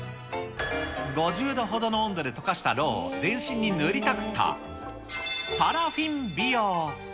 ５０度ほどの温度で溶かしたろうを全身に塗りたくった、パラフィン美容。